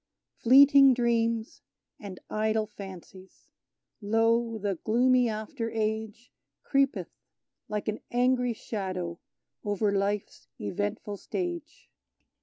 Fleeting dreams and idle fancies! Lo, the gloomy after Age Creepeth, like an angry shadow, over life's eventful stage!